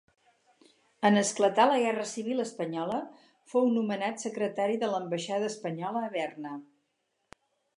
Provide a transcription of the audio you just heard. En esclatar la guerra civil espanyola fou nomenat secretari de l'ambaixada espanyola a Berna.